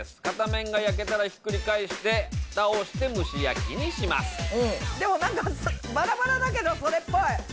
片面が焼けたらひっくり返して蓋をして蒸し焼きにしますでもなんかバラバラだけどそれっぽい。